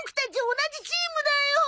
同じチームだよ！